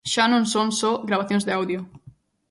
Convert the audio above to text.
Xa non son só gravacións de audio.